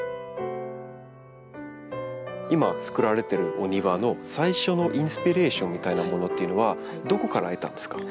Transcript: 今つくられているお庭の最初のインスピレーションみたいなものっていうのはどこから得たんですか？